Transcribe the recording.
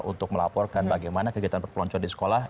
untuk melaporkan bagaimana kegiatan perpeloncoan di sekolah